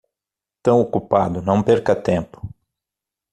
Tão ocupado, não perca tempo.